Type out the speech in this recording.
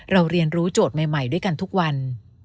เรียนรู้โจทย์ใหม่ด้วยกันทุกวัน